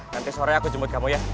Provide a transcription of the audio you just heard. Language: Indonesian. nanti sore aku jemut kamu ya